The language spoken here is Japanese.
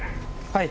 はい。